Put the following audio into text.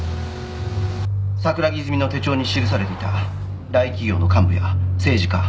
桜木泉の手帳に記されていた大企業の幹部や政治家官僚の家族。